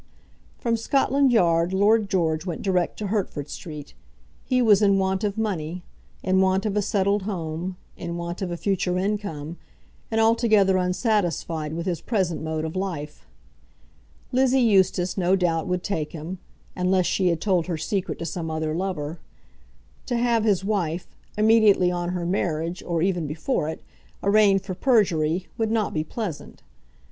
From Scotland Yard Lord George went direct to Hertford Street. He was in want of money, in want of a settled home, in want of a future income, and altogether unsatisfied with his present mode of life. Lizzie Eustace, no doubt, would take him, unless she had told her secret to some other lover. To have his wife, immediately on her marriage, or even before it, arraigned for perjury, would not be pleasant.